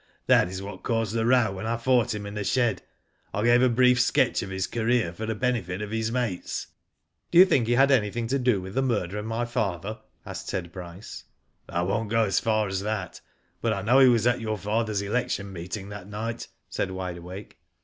That is what caused the row. when I fought him in the shed. I gave a brief sketch of his career for the benefit of his mates." "Do you think he had anything to do with the murder of my father?" asked Ted Bryce. "I won't go as far as that, but I know he was at your father's election meeting that night," said Wide Awake.